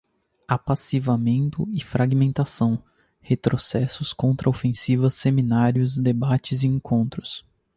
Apassivamento e fragmentação, retrocessos, contraofensiva, seminários, debates, encontros